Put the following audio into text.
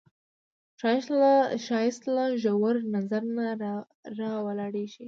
ښایست له ژور نظر نه راولاړیږي